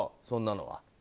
そんなのは。